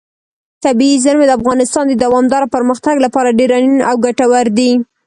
طبیعي زیرمې د افغانستان د دوامداره پرمختګ لپاره ډېر اړین او ګټور دي.